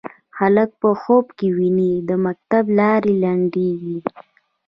هلک په خوب کې ویني د مکتب لارې لنډیږې